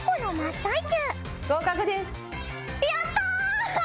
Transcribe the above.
やった！